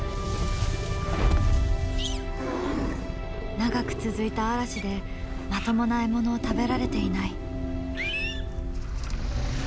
長く続いた嵐でまともな獲物を食べられていない。